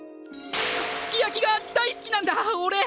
すき焼きが大好きなんだおれ！